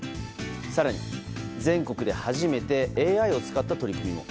更に、全国で初めてＡＩを使った取り組みも。